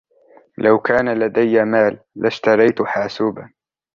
لو كان لدي مال ، لاشتريت حاسوبا.